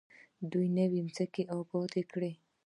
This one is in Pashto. دوی نوې ځمکې ابادې کړې.